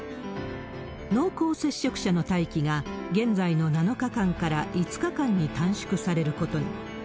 濃厚接触者の待機が、現在の７日間から５日間に短縮されることに。